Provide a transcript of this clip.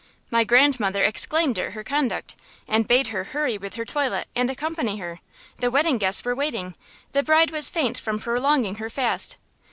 My grandmother exclaimed at her conduct, and bade her hurry with her toilet, and accompany her; the wedding guests were waiting; the bride was faint from prolonging her fast.